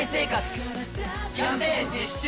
キャンペーン実施中！